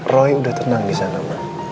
roy udah tenang disana